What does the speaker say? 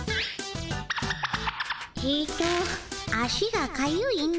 ちと足がかゆいの。